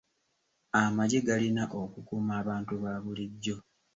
Amagye galina okukuuma abantu ba bulijjo.